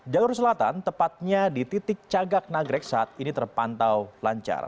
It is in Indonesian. jalur selatan tepatnya di titik cagak nagrek saat ini terpantau lancar